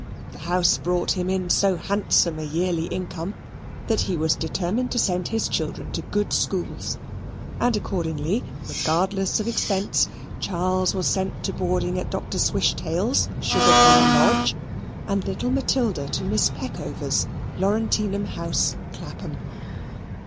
The house brought him in so handsome a yearly income that he was determined to send his children to good schools, and accordingly, regardless of expense, Charles was sent to boarding at Dr. Swishtail's, Sugar cane Lodge, and little Matilda to Miss Peckover's, Laurentinum House, Clapham.